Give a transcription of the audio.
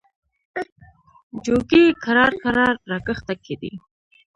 جوګي کرار کرار را کښته کېدی.